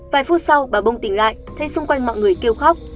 vài phút sau bà bông tỉnh lại thấy xung quanh mọi người kêu khóc